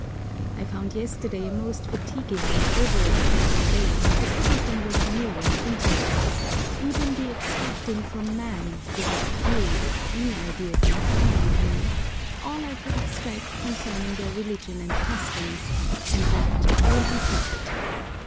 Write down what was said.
I found yesterday a most fatiguing and over exciting day, as everything was new and interesting, even the extracting from men who have few if any ideas in common with me all I could extract concerning their religion and customs, and that through an interpreter.